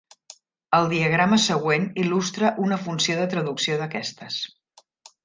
El diagrama següent il·lustra una funció de traducció d'aquestes.